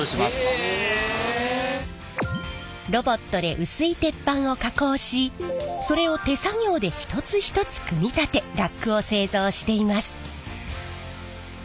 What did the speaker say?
ロボットで薄い鉄板を加工しそれを手作業で一つ一つ組み立てラックを製造しています。